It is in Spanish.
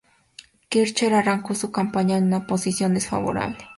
Kirchner arrancó su campaña en una posición desfavorable.